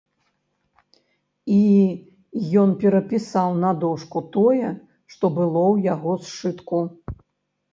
І ён перапісаў на дошку тое, што было ў яго сшытку.